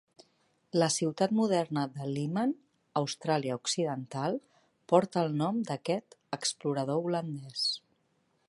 La ciutat moderna de Leeman, Austràlia Occidental, porta el nom d'aquest explorador holandès.